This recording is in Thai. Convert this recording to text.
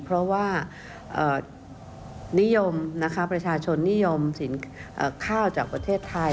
เพราะว่านิยมนะคะประชาชนนิยมสินข้าวจากประเทศไทย